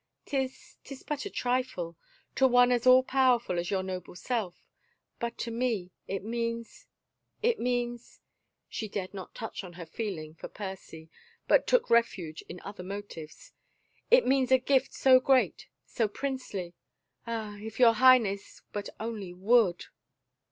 " Tis — 'tis but a trifle — to one as all powerful as your noble self, but to me, it means — it means —" she dared not touch on her feeling for Percy but took refuge in other motives, " it means a gift so great, so princely — Ah, if your Highness but only would!"